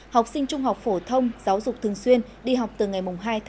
học sinh trung học phổ thông giáo dục thường xuyên đi học từ ngày hai ba